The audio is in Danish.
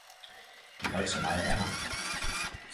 De holdt så meget af ham.